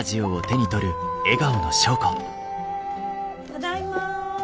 ・ただいま。